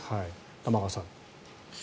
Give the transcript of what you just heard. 玉川さん。